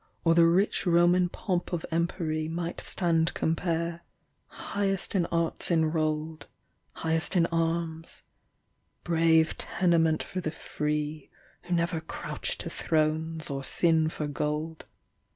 Or the rich Roman pomp of empery Might stand compare, highest in arts enroll'd, Highest in arms ; brave tenement for the free, Who never crouch to thrones, or sm for gold.